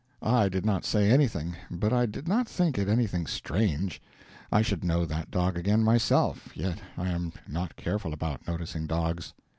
I did not say anything, but I did not think it anything strange; I should know that dog again, myself, yet I am not careful about noticing dogs.